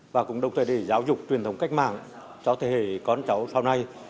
và cũng đồng thời để giáo dục truyền thống cách mạng cho thế hệ con cháu sau này